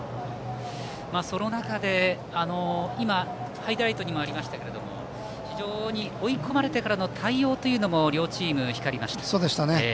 その中で、今ハイライトにもありましたが非常に追い込まれてからの対応というのも両チーム、光りました。